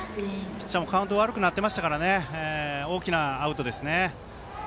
ピッチャーもカウント悪くなってましたから大きなアウトです。